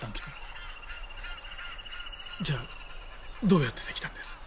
じゃあどうやって出来たんです？